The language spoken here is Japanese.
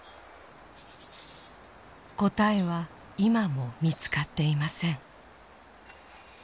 答えは今も見つかっていません。